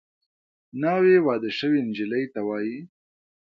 ناوې واده شوې نجلۍ ته وايي